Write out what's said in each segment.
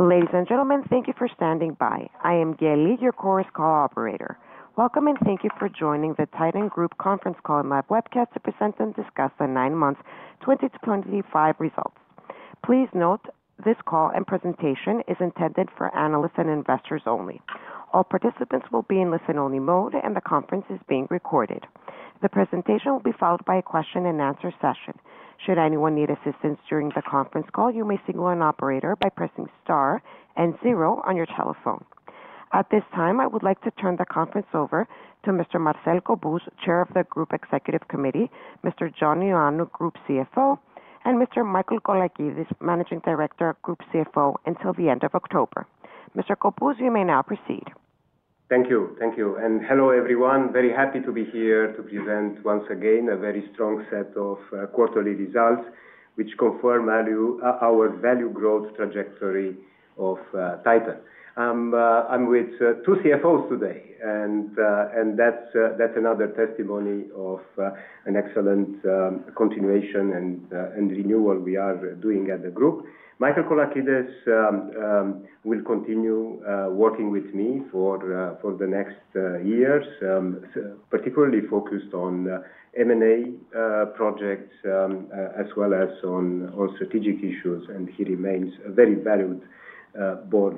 Ladies and gentlemen, thank you for standing by. I am Geli, your chorus call operator. Welcome and thank you for joining the Titan Group conference call and live webcast to present and discuss the nine months 2025 results. Please note this call and presentation is intended for analysts and investors only. All participants will be in listen only mode and the conference is being recorded. The presentation will be followed by a question and answer session. Should anyone need assistance during the conference call, you may signal an operator by pressing Star, Star and zero on your telephone. At this time I would like to turn the conference over to Mr. Marcel Cobus, Chair of the Group Executive Committee, Mr. John Ioannou, Group CFO and Mr. Michael Kolakides, Managing Director, Group CFO until the end of October. Mr. Cobus, you may now proceed. Thank you. Thank you and hello everyone. Very happy to be here to present once again a very strong set of quarterly results which confirm our value growth trajectory of Titan. I'm with two CFOs today and that's another testimony of an excellent continuation and renewal we are doing at the group. Michael Kolakides will continue working with me for the next years, particularly focused on M&A projects as well as on strategic issues. He remains a very valued board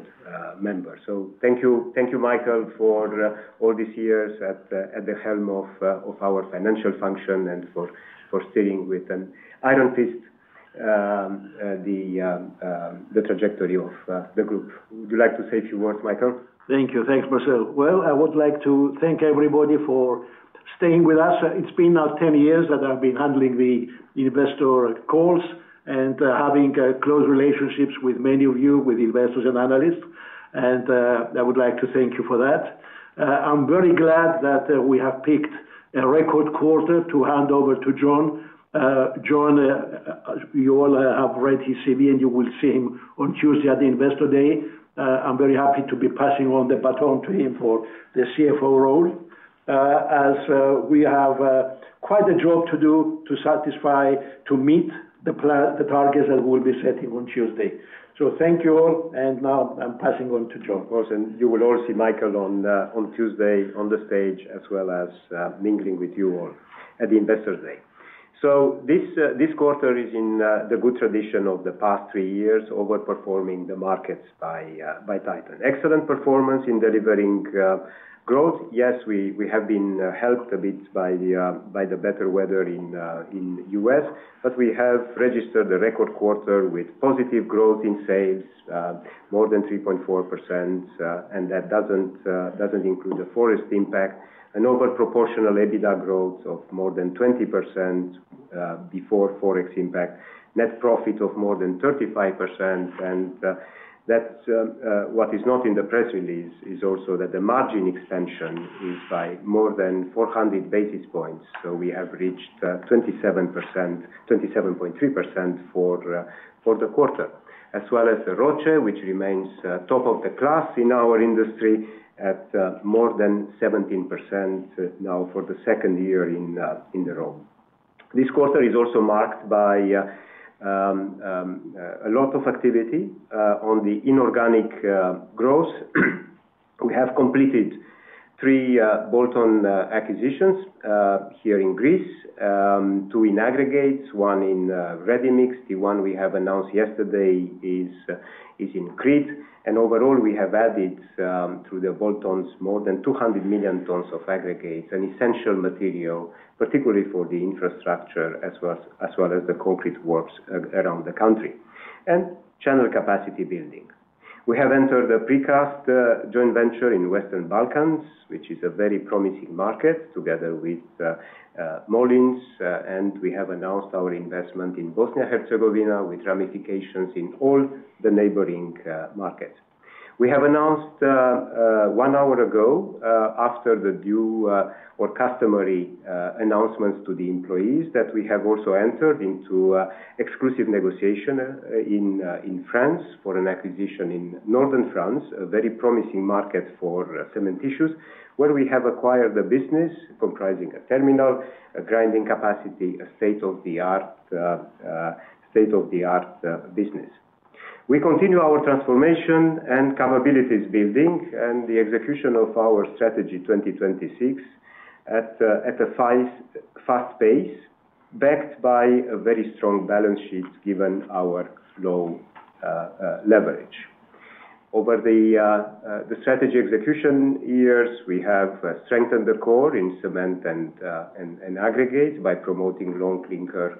member. Thank you. Thank you, Michael, for all these years at the helm of our financial function and for staying with an iron twist the trajectory of the group. Would you like to say a few words, Michael? Thank you. Thanks, Marcel. Well, I would like to thank everybody for staying with us. It's been now 10 years that I've been handling the investor calls and having close relationships with many of you, with investors and analysts and I would like to thank you for that. I'm very glad that we have picked a record quarter to hand over to John. John, you all have read his CV and you will see him on Tuesday at the Investor Day. I'm very happy to be passing on the baton to him for the CFO role as we have quite a job to do to satisfy to meet the targets that we will be setting on Tuesday. So thank you all. And now I'm passing on to John. You will all see Michael on Tuesday on the stage as well as mingling with you all at the Investor's Day. So this quarter is in the good tradition of the past three years, overperforming the markets by Titan. Excellent performance in delivering growth. Yes, we have been helped a bit by the better weather in us, but we have registered a record quarter with positive growth in sales, more than 3.4% and that doesn't include the forest impact, an over proportional EBITDA growth of more than 20% before forex impact, net profit of more than 35%. And that's what is not in the press release is is also that the margin expansion is by more than 400 basis points. So we have reached 27.3% for the quarter as well as Roche which remains top of the class in our industry at more than 17% now for the second year in a row. This quarter is also marked by a lot of activity on the inorganic growth. We have completed three bolt on acquisitions here in Greece, two in aggregates, one in ready mix. The one we have announced yesterday is in Crete. And overall we have added through the boltons more than 200 million tons of aggregates, an essential material particularly for the infrastructure as well as the concrete works around the country and channel capacity building. We have entered the precast joint venture in Western Balkans, which is a very promising market, together with Molins. And we have announced our investment in Bosnia Herzegovina with ramifications in all the neighboring markets. We have announced one hour ago, after the due or customary announcements to the employees that we have also entered into exclusive negotiation in France for an acquisition in northern France, a very promising market for cement issues where we have acquired the business comprising a terminal, a grinding capacity, a state of the art business. We continue our transformation and capabilities building and the execution of our strategy 2026 at a fast pace backed by a very strong balance sheet given our low leverage over the strategy execution years. We have strengthened the core in cement and aggregates by promoting long clinker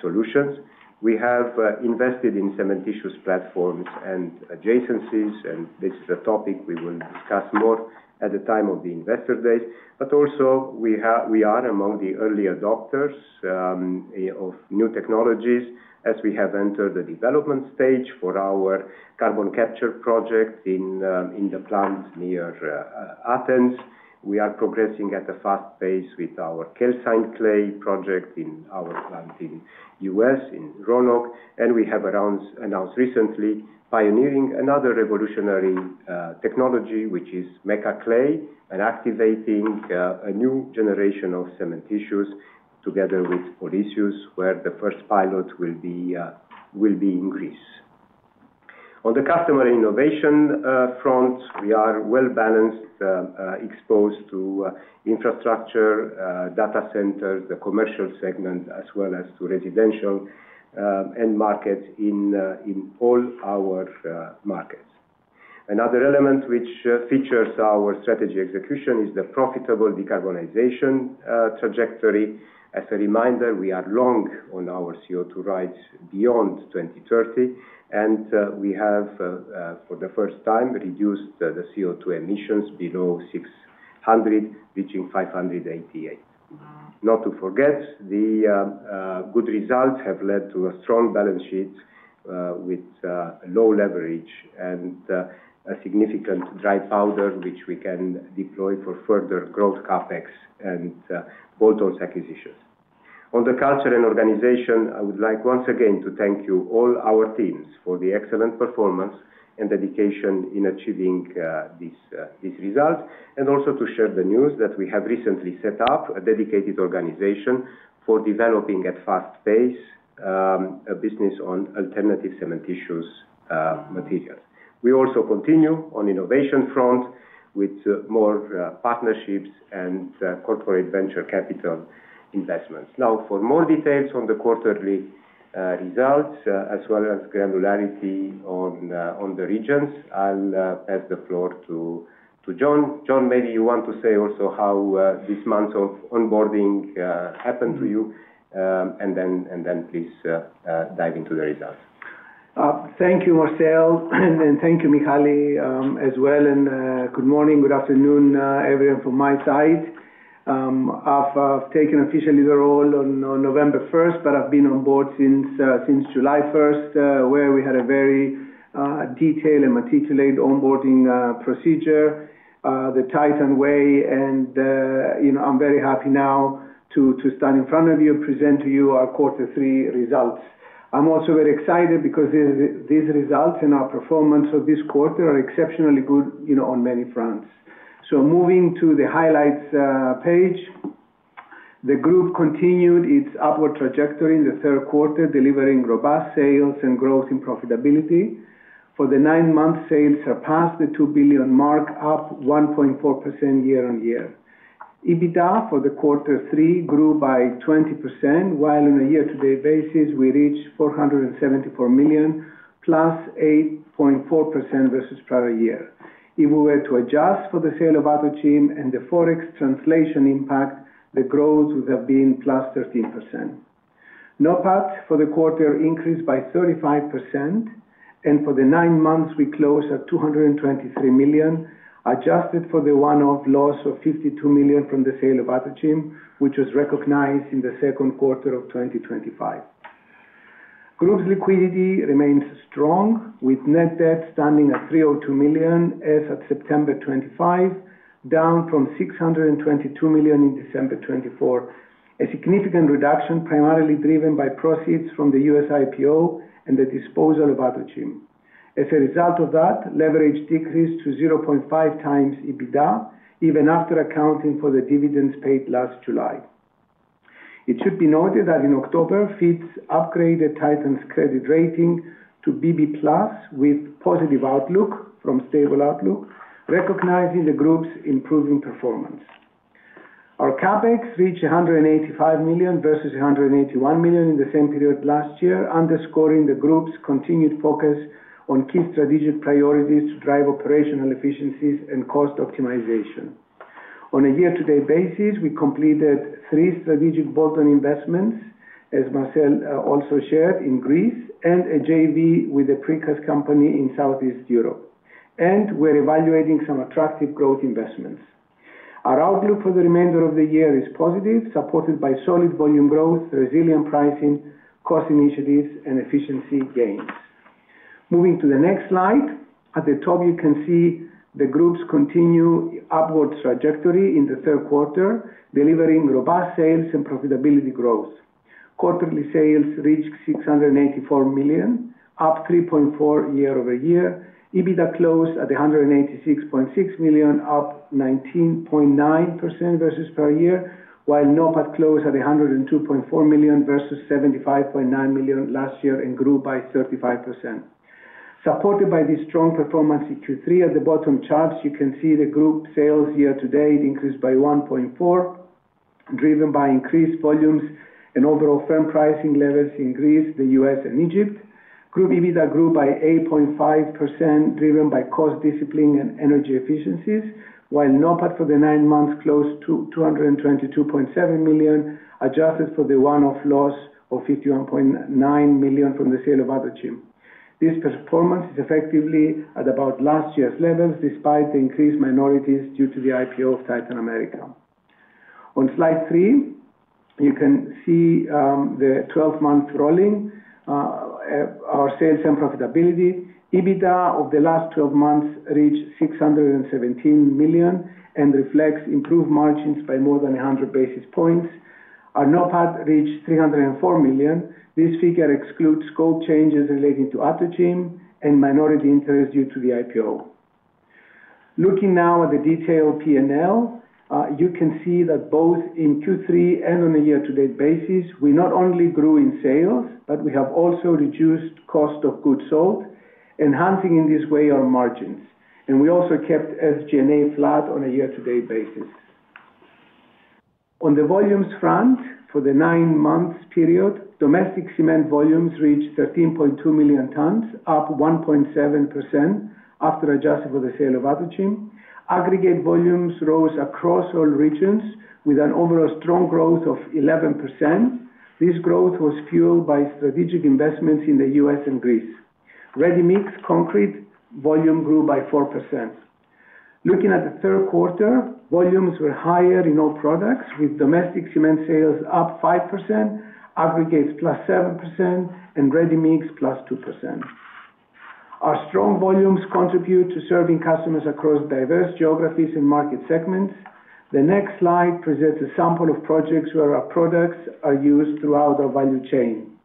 solutions. We have invested in cementitious platforms and adjacencies and this is a topic we will discuss more at the time of the investor day. But also we are among the early adopters of new technologies as we have entered the development stage for our carbon capture project in the plant near Athens. We are progressing at a fast pace with our calcined clay project in our plant in US in Roanoke. And we have announced recently pioneering another revolutionary technology which is Mecca Clay and activating a new generation of cement issues together with Policius, where the first pilot will be in Greece. On the customer innovation front, we are well balanced, exposed to infrastructure, data centers, the commercial segment as well as to residential end market in all our markets. Another element which features our strategy execution is the profitable decarbonization trajectory. As a reminder, we are long on our CO2 rides beyond 2030 and we have for the first time reduced the CO2 emissions below 600, reaching 588 not to forget the good results have led to a strong balance sheet with low leverage and a significant dry powder which we can deploy for further growth capex and Bolt ONS acquisitions on the culture and organization. I would like once again to thank you all our teams for the excellent performance and dedication in achieving this and also to share the news that we have recently set up a dedicated organization for developing at fast pace a business on alternative cementitious materials. We also continue on innovation front with more partnerships and corporate venture capital investments. Now for more details on the quarterly results as well as granularity on the regions, I'll pass the floor to John John, maybe you want to say also how this month of onboarding happened to you and then please dive into the results. Thank you Marcel and thank you Mikhaili as well. And good morning, good afternoon everyone from my side. I've taken officially the role on November 1st, but I've been on board since July 1st where we had a very detail and maticulate onboarding procedure the Titan way and I'm very happy now to stand in front of you present to you our Quarter three results. I'm also very excited because these results and our performance of this quarter are exceptionally good on many fronts. So moving to the highlights page, the group continued its upward trajectory in the third quarter, delivering robust sales and growth in profitability. For the nine month sales surpassed the 2 billion mark, up 1.4% year-on-year, EBITDA for the quarter three grew by 20% while on a year-to-date basis we reached 474 million plus 8.4% versus prior year. If we were to adjust for the sale of ATOGYM and the Forex translation impact, the growth would have been plus 13%. NOPAT for the quarter increased by 35% and for the nine months we closed at 223 million, adjusted for the one off loss of 52 million from the sale of Atogym, which was recognized in the second quarter of 2025. Group's liquidity remains strong with net debt standing at 302 million as of September 25, down from 622 million in December 24, a significant reduction primarily driven by proceeds from the US IPO and the disposal of Atogym. As a result of that, leverage decreased to 0.5 times EBITDA even after accounting for the dividends paid last July. It should be noted that in October FIDS upgraded Titan's credit rating to BB with positive outlook from Stable outlook. Recognizing the group's improving performance, our CapEx reached 185 million versus 181 million in the same period last year, underscoring the group's continued focus on key strategic priorities to drive operational efficiencies and cost optimization. On a year-to-date basis we completed three strategic bolt on investments as MARCEL also shared in Greece and a JV with a precast company in Southeast Europe and we're evaluating some attractive growth investments. Our outlook for the remainder of the year is positive, supported by solid volume growth, resilient pricing, cost initiatives and efficiency gains. Moving to the next slide at the top you can see the group's continued upward trajectory in the third quarter, delivering robust sales and profitability growth. Quarterly sales reached 684 million up 3.4 year-over- year. EBITDA closed at 186.6 million up 19.9% versus per year while NOPAT closed at 102.4 million versus 75.9 million last year and grew by 35% supported by this strong performance in Q3. At the bottom charts you can see the group sales year-to-date increased by 1.4 driven by increased volumes and overall firm pricing levels. In Greece, the US and Egypt group EBITDA grew by 8.5% driven by cost discipline and energy efficiencies while nopat for the nine months closed 222.7 million adjusted for the one off loss of 51.9 million from the sale of Atogym. This performance is effectively at about last year's levels despite the increased minorities due to the IPO of Titan America. On slide 3 you can see the 12 month rolling our sales and profitability EBITDA of the last 12 months reached 617 million and reflects improved margins by more than 100 basis points. Our NOPAT reached 304 million. This figure excludes scope changes related to ATOGYM and minority interest due to the ipo. Looking now at the detailed P and L you can see that both in Q3 and on a year-to-date basis we not only grew in sales but we have also reduced cost of goods sold, enhancing in this way our margins and we also kept SGA flat on a year-to-date basis on the volumes front. For the nine months period domestic cement volumes reached 13.2 million tonnes, up 1.7% after adjusting for the sale of Atogen. Aggregate volumes rose across all regions with an overall strong growth of 11%. This growth was fueled by strategic investments in the US and Greece. Ready mix concrete volume grew by 4%. Looking at the third quarter volumes were higher in all products, with domestic cement sales up 5%, aggregates plus 7% and ready mix plus 2%. Our strong volumes contribute to serving customers across diverse geographies and market segments. The next slide presents a sample of projects where our products are used throughout our value chain.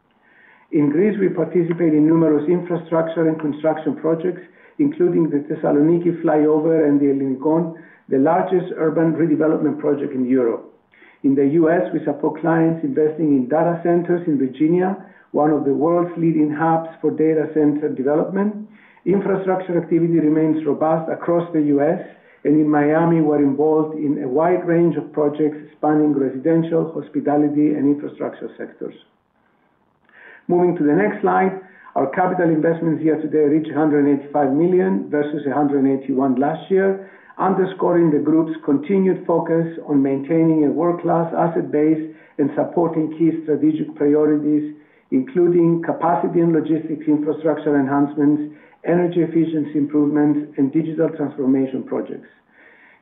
In Greece, we participate in numerous infrastructure and construction projects including the Thessaloniki Flyover and the Elinicon, the largest urban redevelopment project in Europe. In the US we support clients investing in data centers. In Virginia, one of the world's leading hubs for data center development, infrastructure activity remains robust across the US and in Miami we're involved in a wide range of projects spanning residential, hospitality and infrastructure sectors. Moving to the next slide Our capital investments here today reach 185 million versus 181 last year, underscoring the Group's continued focus on maintaining a world class asset base and supporting key strategic priorities including capacity and logistics, infrastructure enhancements, energy efficiency improvements and digital transformation projects.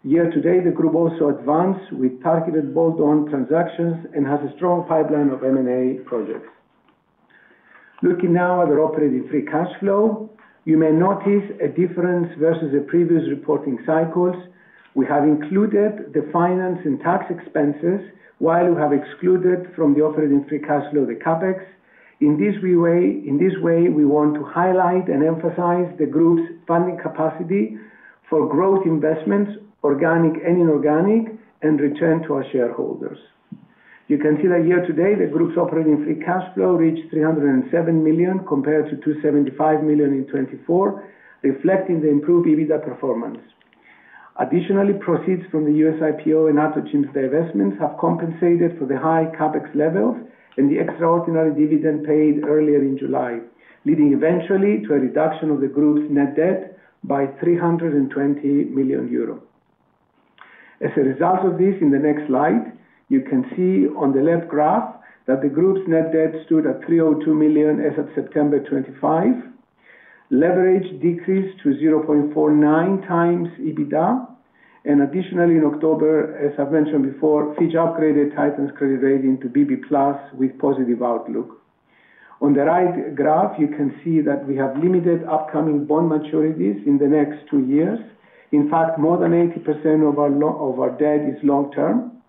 Year-to-date. The Group also advanced with targeted bolt on transactions and has a strong pipeline of M and A projects. Looking now at our operating free cash flow, you may notice a difference versus the previous reporting cycles. We have included the finance and tax expenses, while we have excluded from the operating free cash flow the capex. In this way we want to highlight and emphasize the Group's funding capacity for growth investments, organic and inorganic and return to our shareholders. You can see that year-to-date the Group's operating free cash flow reached 307 million compared to 275 million in 2015, reflecting the improved EBITDA performance. Additionally, proceeds from the US IPO and ATOGYMS divestments have compensated for the high CAPEX levels and the extraordinary dividend paid earlier in July, leading eventually to a reduction of the Group's net debt by 320 million euro. As a result of this, in the next slide you can see on the left graph that the Group's net Debt stood at 302 million as of September 25th. Leverage decreased to 0.49 times EBITDA and additionally in October, as I've mentioned before, FIJ upgraded Titan's credit rating to BB with positive outlook. On the right graph you can see that we have limited upcoming bond maturities in the next two years. In fact, more than 80% of our debt is long term.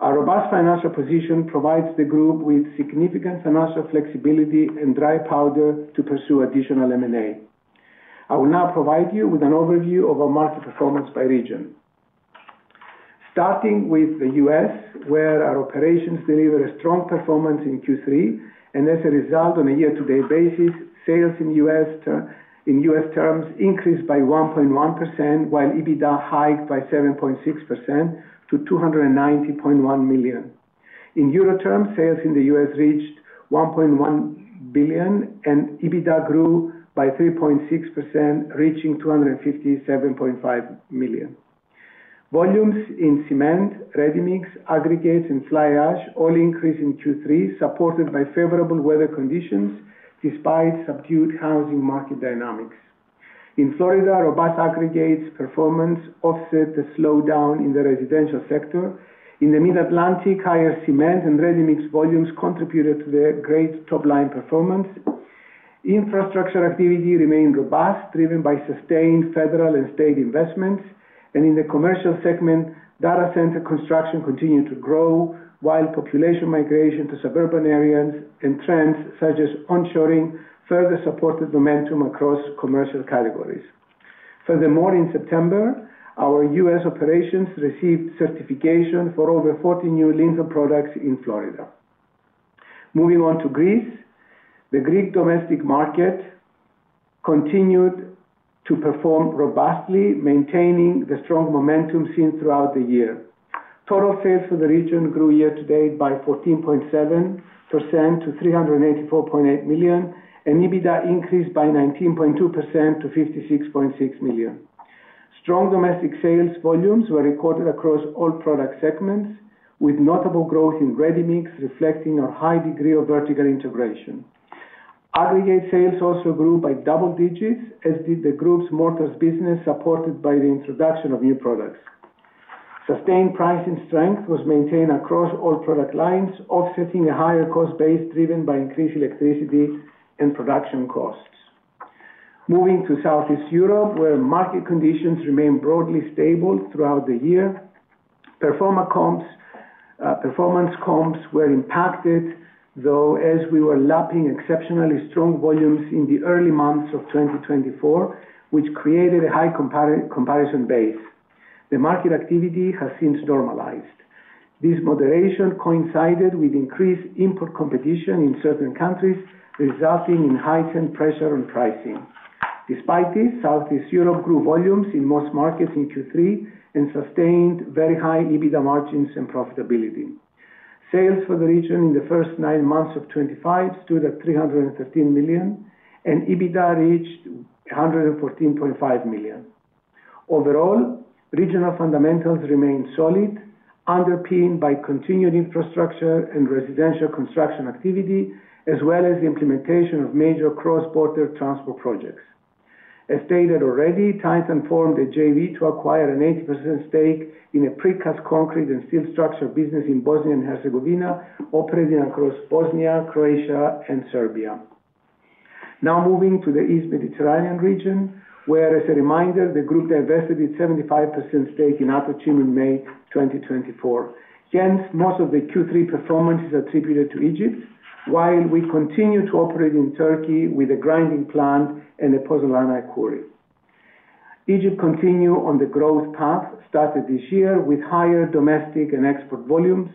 Our robust financial position provides the Group with significant financial flexibility and dry powder to pursue additional M and A. I will now provide you with an overview of our market performance by region, starting with the US where our operations delivered a strong performance in Q3 and as a result, on a year-to-date basis, sales in US terms increased by 1.1% while EBITDA hiked by 7.6% to 290.1 million. In euro term, sales in the US reached 1.1 billion and EBITDA grew by 3.6% reaching 257.5 million. Volumes in cement ready mix aggregates and fly ash all increased in Q3 supported by favorable weather conditions. Despite subdued housing market dynamics in Florida, robust aggregates performance offset the slowdown in the residential sector in the Mid Atlantic, higher cement and ready mix volumes contributed to the great toll top line performance. Infrastructure activity remained robust driven by sustained federal and state investments and in the commercial segment, data center construction continued to grow while population migration to suburban areas and trends such as onshoring further supported momentum across commercial categories. Furthermore, In September our US operations received certification for over 40 new Lindsay products in Florida. Moving on to Greece, the Greek domestic market continued to perform robustly, maintaining the strong momentum seen throughout the year. Total sales for the region grew year-to-date by 14.7% to 384.8 million and EBITDA increased by 19.2% to 56.6 million. Strong domestic sales volumes were recorded across all product segments, with notable growth in ready mix reflecting our high degree of vertical integration. Aggregate sales also grew by double digits, as did the group's mortars business supported by the introduction of new products. Sustained pricing strength was maintained across all product lines, offsetting a higher cost base driven by increased electricity and production costs. Moving to Southeast Europe where market conditions remain broadly stable throughout the year. Performance comps were impacted though as we were lapping exceptionally strong volumes in the early months of 2024, which created a high comparison base. The market activity has since normalized. This moderation coincided with increased import competition in certain countries, resulting in heightened pressure on pricing. Despite this, Southeast Europe grew volumes in most markets in Q3 and and sustained very high EBITDA margins and profitability. Sales for the region in the first nine months of 25 stood at 313 million and EBITDA reached 1 14.5 million. Overall, regional fundamentals remain solid, underpinned by continued infrastructure and residential construction activity as well as the implementation of major cross border transport projects. As stated already, titan formed the JV to acquire an 80% stake in a precast concrete and steel structure business in Bosnia and Herzegovina operating across Bosnia, Croatia and Serbia. Now moving to the East Mediterranean region where as a reminder, the Group divested its 75% stake in Atochim in May 2024. Hence most of the Q3 performance is attributed to Egypt. While we continue to operate in Turkey with a grinding plant and a pozolanai quarry. Egypt continued on the growth path started this year with higher domestic and export volumes.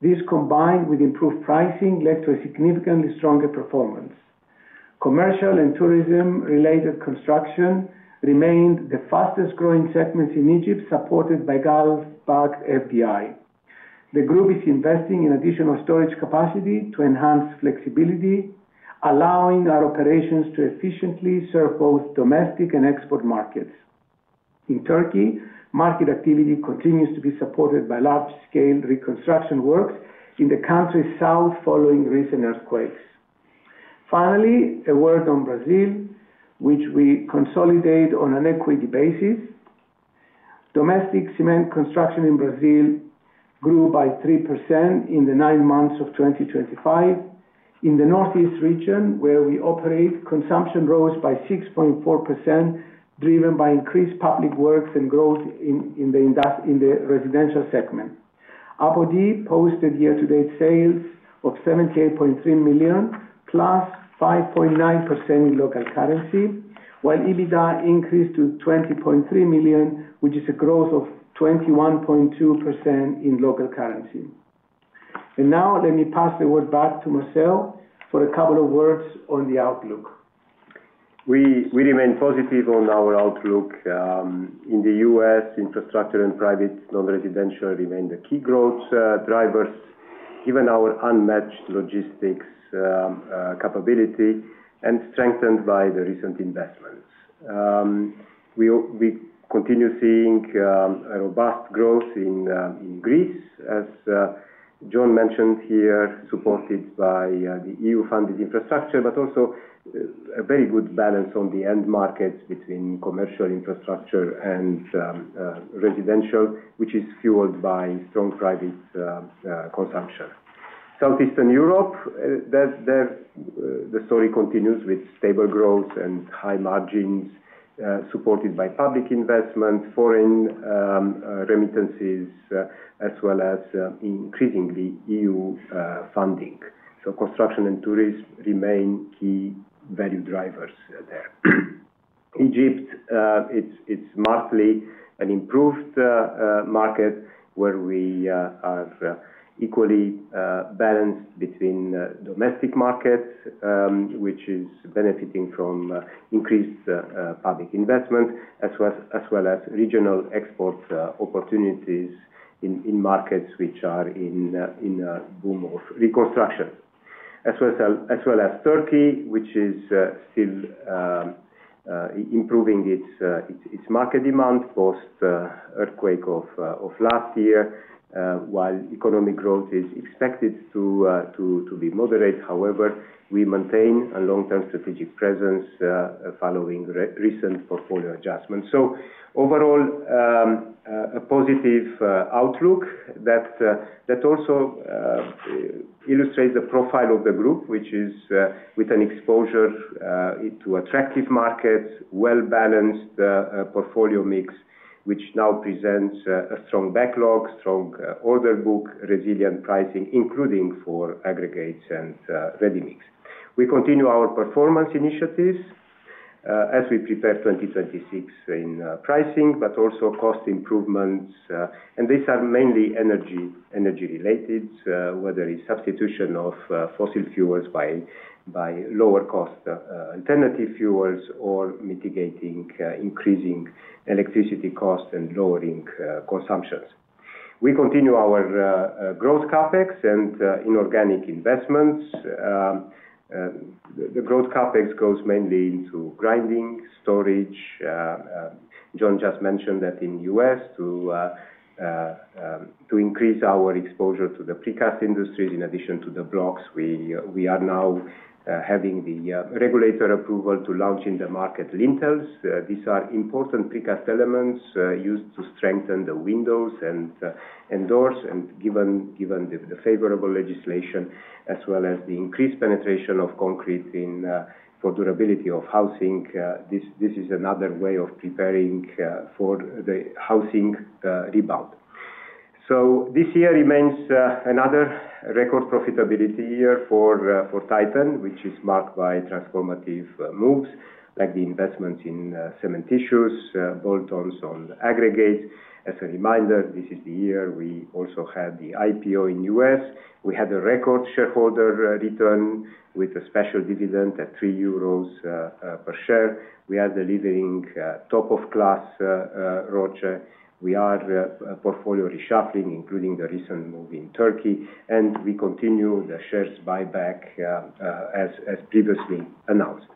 This combined with improved pricing led to a significantly stronger performance. Commercial and tourism related construction remained the fastest growing segments in Egypt supported by Gulf backed fdi. The group is investing in additional storage capacity to enhance flexibility, allowing our operations to efficiently serve both domestic and export markets. In Turkey, market activity continues to be supported by large scale reconstruction works in the country south following recent earthquakes. Finally a word on Brazil which we consolidate on an equity basis. Domestic cement construction in Brazil grew by 3% in the nine months of 2025. In the Northeast region where we operate, consumption rose by 6.4% driven by increased public works and growth in the residential segment. Apodi posted year-to-date sales of 78.3 million plus 5.9% in local currency while EBITDA increased to 20.3 million which is a growth of 21.2% in local currency and now let me pass the word back to Marcel for a couple. Of words on the outlook we remain positive on our outlook in the US Infrastructure and private non residential remain the key growth drivers given our unmatched logistics capability and strengthened by the recent investments. We continue seeing robust growth in Greece as John mentioned here, supported by the EU funded infrastructure but also a very good balance on the end markets between commercial infrastructure and residential which is fueled by strong private consumption. Southeastern Europe the story continues with stable growth and high margins supported by public investment, foreign remittances as well as increasingly EU funding. So construction and tourism remain key value drivers there. Egypt it's markedly an improved market where we are equally balanced between domestic markets which is benefiting from increased public investment as well as regional export opportunities in markets which are in boom of reconstruction as well as Turkey which is still improving its its market demand post earthquake of last year. While economic growth is expected to be moderate, however, we maintain a long term strategic presence following recent portfolio adjustments. So overall a positive outlook that also illustrates the profile of the group which is with an exposure to attractive markets, well balanced portfolio mix which now presents a strong backlog, strong order book resilient pricing including for aggregates and ready mix. We continue our performance initiatives as we prepare 2026 in pricing but also cost improvements and these are mainly energy related whether it's substitution of fossil fuels by by lower cost alternative fuels or mitigating Increasing electricity costs and lowering consumptions. We continue our growth capex and inorganic investments. The growth capex goes mainly into grinding storage. John just mentioned that in us to increase our exposure to the precast industries. In addition to the blocks we are now having the regulator approval to launch in the market lintels. These are important precast elements used to strengthen the windows and doors. And given the favorable legislation as well as the increased penetration of concrete for durability of housing. This is another way of preparing for the housing rebound. So this year remains another record profitability year for Titan which is marked by transformative moves like the investments in cement tissues boltons on aggregates. As a reminder, this is the year we also had the IPO in us. We had a record shareholder return with a special dividend at €3 per share. We are delivering top of class Roche. We are portfolio reshuffling including the recent moving in Turkey. And we continue the shares buyback as previously announced.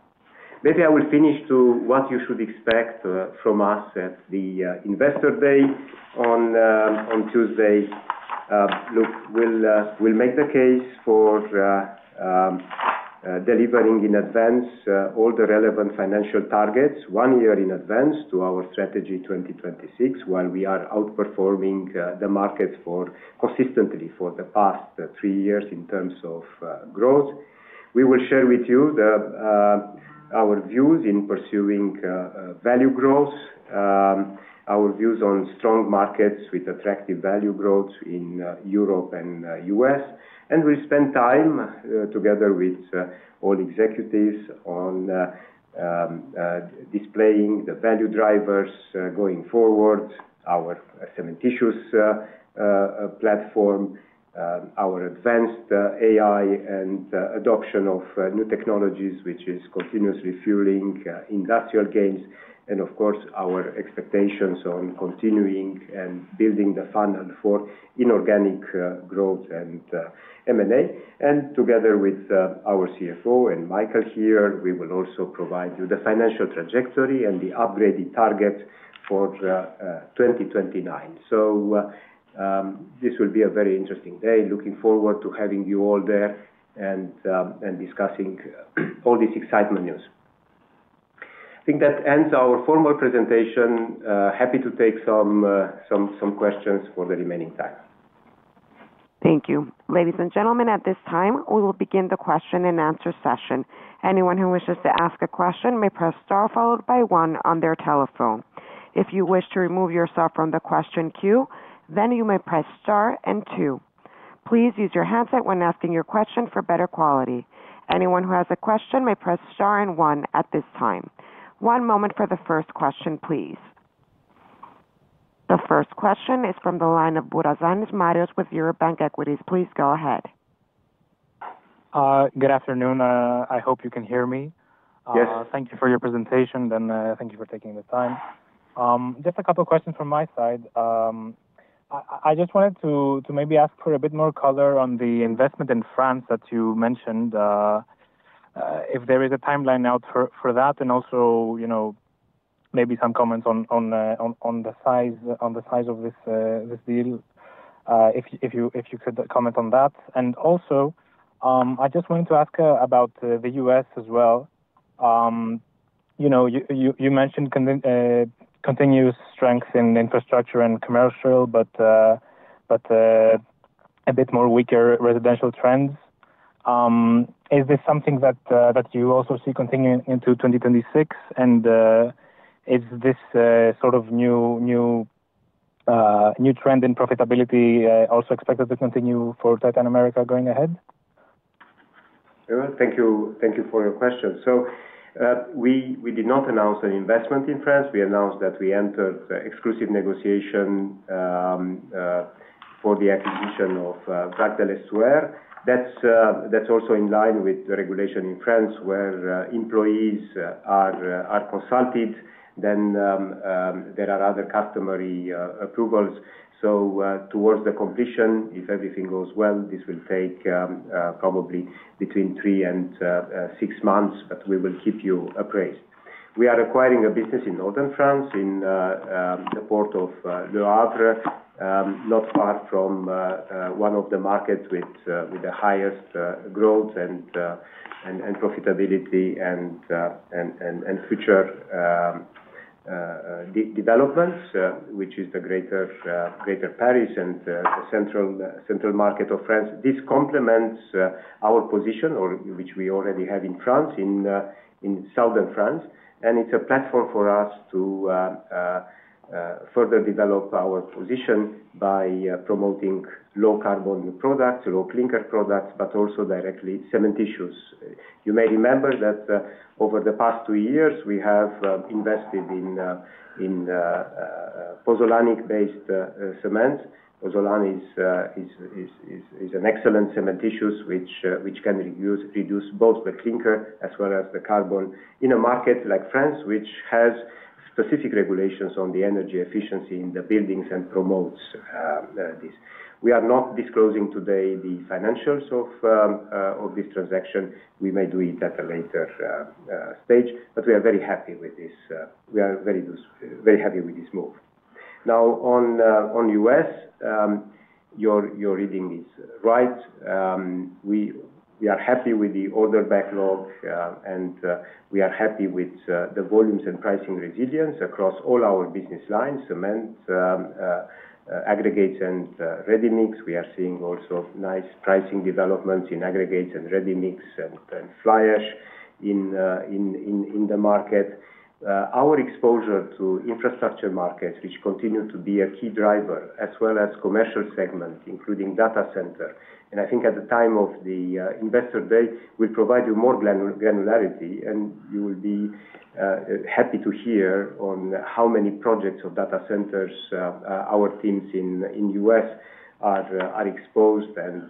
Maybe I will finish to what you should expect from us at the investor day on Tuesday. Look, we'll make the case for delivering in advance all the relevant Financial targets one year in advance to our Strategy 2020. While we are outperforming the markets for consistently for the past three years in terms of growth, we will share with you our views in pursuing value growth. Our views on strong markets with attractive value growth in Europe and US. And we spend time together with all executives on displaying the value drivers going forward. Our cementitious platform, our advanced AI and adoption of new technologies which is continuously fueling industrial gains. And of course our expectations on continuing and building the funnel for inorganic growth and M and A. And together with our CFO and Michael here, we will also provide you the financial trajectory and the upgraded target for 2029. So this will be a very interesting day. Looking forward to having you all there and discussing all these excitement news. I think that ends our formal presentation. Happy to take some questions for the remaining time. Thank you. Ladies and gentlemen. At this time we will begin the question and answer session. Anyone who wishes to ask a question may press STAR followed by one on their telephone. If you wish to remove yourself from the question queue then you may press star and 2. Please use your handset when asking your question for better quality. Anyone who has a question may press Star and one at this time. One moment for the first question please. The first question is from the line of Burazanes Marios with Europe Bank Equities. Please go ahead. Good afternoon, I hope you can hear me. Yes, thank you for your Presentation and thank you for taking the time. Just a couple of questions from my side. I just wanted to maybe ask for a bit more color on the investment in France that you mentioned. If there is a timeline out for that. And also maybe some comments on the size of this deal, if you could comment on that. And also I just wanted to ask about the US as well. You know, you mentioned continuous strength in infrastructure and commercial, but a bit more weaker residential trends. Is this something that you also see continuing into 2026? And is this sort of new trend in profitability also expected to continue for Titan America going ahead? Thank you for your question. So we did not announce an investment in France. We announced that we entered exclusive negotiation for the acquisition of Brac de l'. Estuer. That's also in line with the regulation in France where employees are consulted. Then there are other customary approvals. So towards the completion, if everything goes well, this will take probably between three and six months, but we will keep you appraised. We are acquiring a business in northern France in the port of Le Havre, not far from one of the markets with the highest growth and profitability and future developments, which is the greater Paris and the central market of France. This complements our position which we already have in France, in southern France. And it's a platform for us to further develop our position by promoting low carbon products, low clinker products, but also directly cement issues. You may remember that over the past two years we have invested in pozolanic based cements. Pozolanic is an excellent cementitious which can reduce both the clinker as well as the carbon. In a market like France, which has specific regulations on the energy efficiency in the buildings and promotes this. We are not disclosing today the financials of this transaction. We may do it at a later stage. But we are very happy with this. We are very happy with this move now on us. Your reading is right. We are happy with the order backlog and we are happy with the volumes and pricing resilience across all our business lines. Cement aggregates and ready mix. We are seeing also nice pricing developments in aggregates and ready mix and fly ash in the market. Our exposure to infrastructure markets which continue to be a key driver as well as commercial segment including data center. And I think at the time of the the investor day will provide you more granularity. And you will be happy to hear on how many projects of data centers our teams in US are exposed and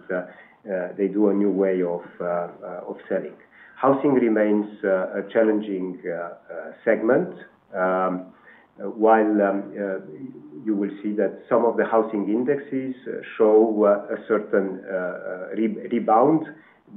they do. A new way of selling housing remains a challenging segment. While you will see that some of the housing indexes show a certain rebound.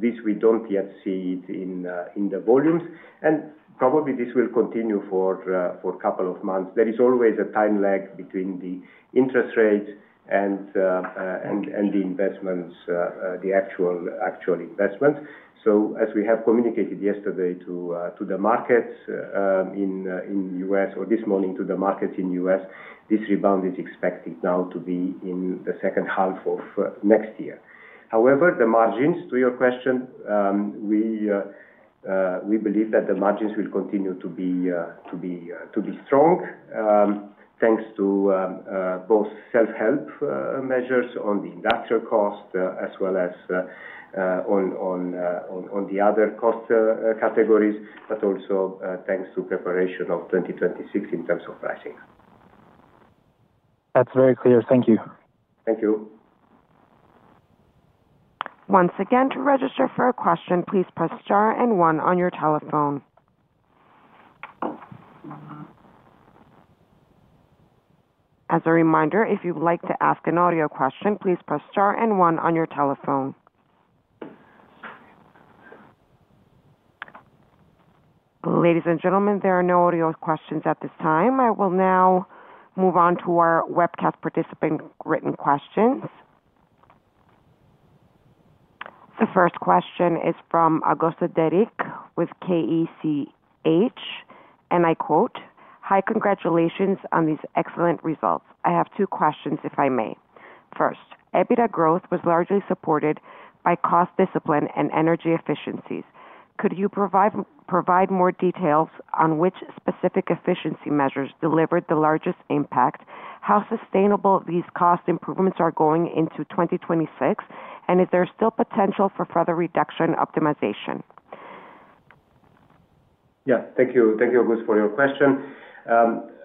This we don't yet see in the volumes and probably this will continue for a couple of months. There is always a time lag between the interest rates and the investments, the actual investment. So as we have communicated yesterday to the markets in us or this morning to the market in US this rebound is extremely now to be in the second half of next year. However, the margins to your question, we believe that the margins will continue to be strong thanks to both self help measures on the industrial cost as well. As. On the other cost categories, but also thanks to preparation of 2026 in terms of pricing. That's very clear. Thank you. Thank you. Once again. To register for a question, please press star and one on your telephone. As a reminder, if you'd like to ask an audio question please press star and one on your telephone. Ladies and gentlemen, there are no audio questions at this time. I will now move on to our webcast participant written questions. The first question is from Agosta Derick with Kech and I quote high Congratulations on these excellent results. I have two questions if I may. First, first, EBITDA growth was largely supported by cost discipline and energy efficiencies. Could you provide more details on which specific efficiency measures delivered the largest impact? How sustainable these cost improvements are going into 2026 and is there still potential for further reduction optimization? Yeah. Thank you. Thank you August for your question.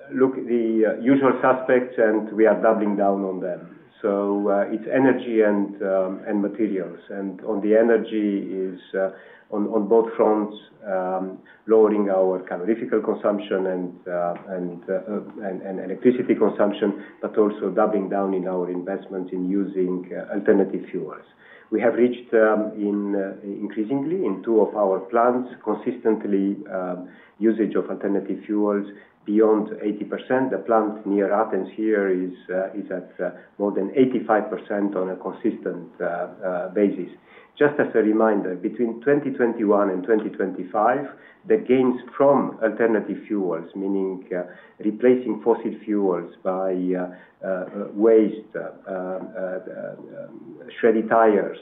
Look, the usual suspects and we are doubling down on them. So it's energy and materials and on the energy is on both fronts lowering our catalytical consumption and electricity consumption, but also doubling down in our investments in using alternative fuels. We have reached increasingly in two of our plants consistently usage of alternative fuels beyond 80%. The plant near Athens here is at more than 85% on a consistent basis. Just as a reminder, between 2021 and 2025 the gains from alternative fuels meaning replacing fossil fuels by waste shredded tires,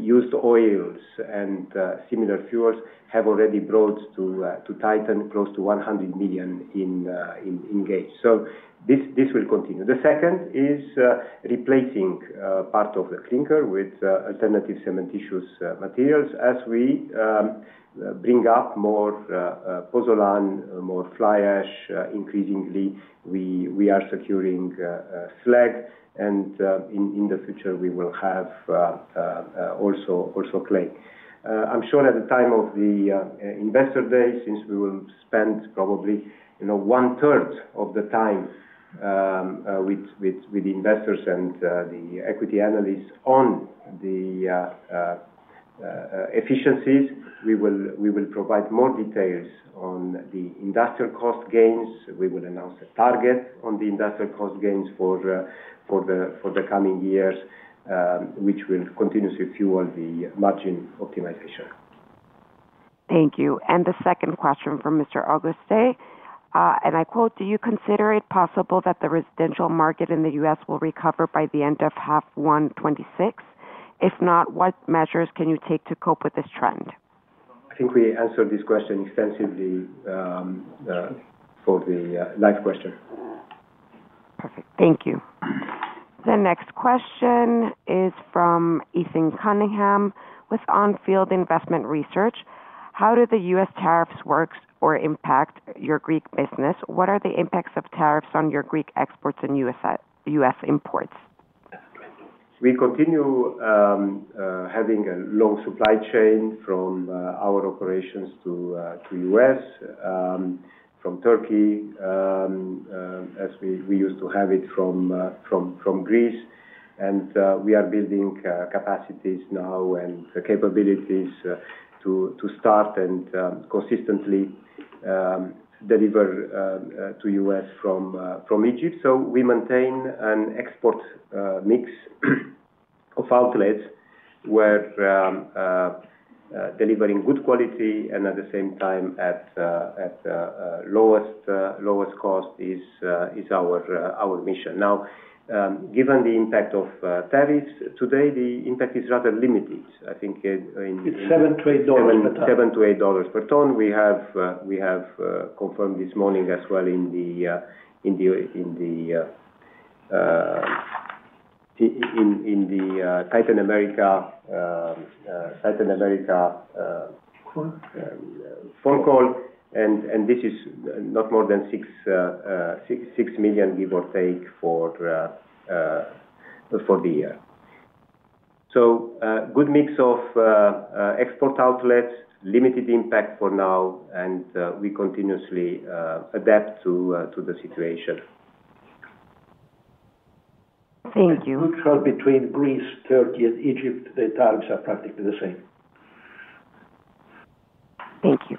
used oils and similar fuels have already brought to Titan close to 100 million in gauge. So this will continue. The second is replacing part of the clinker with alternative cementitious materials. As we bring up more pozolan, more fly ash. Increasingly we are securing flag and in the future we will have also clay. I'm sure at the time of the investor day since we will spend probably one third of the time with investors and the equity analysts on the efficiencies, we will provide more details on the industrial cost gains. We will announce a target on the industrial cost gains for the coming years which will continuously fuel the margin optimization. Thank you. And the second question from Mr. Auguste and I quote, do you consider it possible that the residential market in the US will recover by the end of half 1 26? If not, what measures can you take to cope with this trend? I think we answered this question extensively for the live question. Thank you. The next question is from Ethan Cunningham with On Field Investment Research. How do the US tariffs work or impact your Greek business? What are the impacts of tariffs on your Greek exports and US imports? We continue having a long supply chain from our operations to US from Turkey as we used to have it from Greece and we are building capacities now and capabilities to start and consistently deliver to us from Egypt. So we maintain an export mix of outlets where delivering good quality and at the same time at lowest cost is our mission now. Given the impact of tariffs today, the impact is rather limited. I think it's seven to eight dollars per ton. Seven to eight dollars per ton. We have confirmed this morning as well in the. In the Titan America, Titan America phone call and this is not more than 6 million give or take for the year. So good mix of export outlets, limited impact for now and we continuously adapt to the situation. Thank you. Between Greece, Turkey and Egypt, the terms. Are practically the same. Thank you.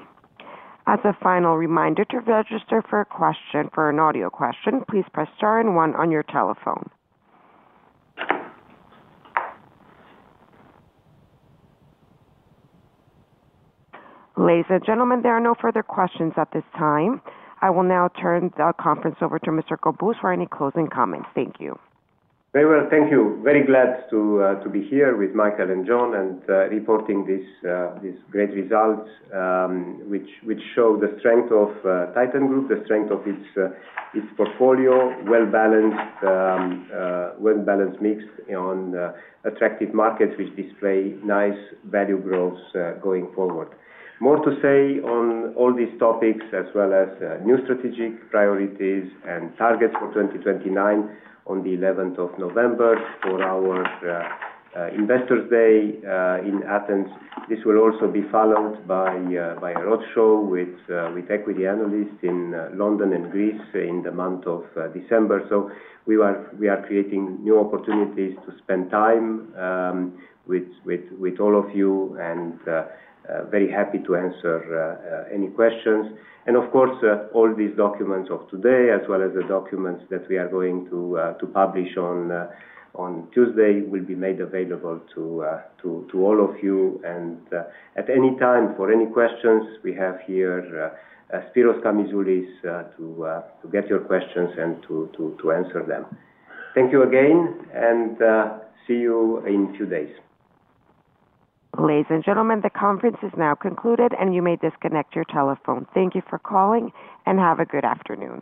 As a final reminder to register for a question, for an audio question, please press star and one on your telephone. Ladies and gentlemen, there are no further questions at this time. I will now turn the conference over to Mr. Cobus for any closing comments. Thank you. Very well. Thank you. Very glad to be here with Michael and John and reporting these great results which show the strength of Titan Group, the strength of its portfolio. Well balanced, well balanced meeting mix on attractive markets which display nice value growth going forward. More to say on all these topics as well as new strategic priorities and targets for 2029 on 11th November for our investors Day in Athens. This will also be followed by a roadshow with equity analysts in London and Greece in the month of December. So we are creating new opportunities to spend time with all of you and very happy to answer any questions and of course all these documents of today as well as the documents that we are going to publish on Tuesday will be made available to all of you and at any time for any questions we have here Spiros Camizulis to get your questions and to answer them. Thank you again and see you in few days. Ladies and gentlemen, the conference is now concluded and you may disconnect your telephone. Thank you for calling and have a good afternoon.